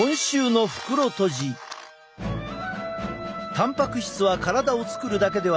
たんぱく質は体を作るだけではない。